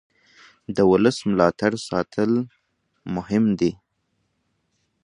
د ولس ملاتړ ساتل مهم دي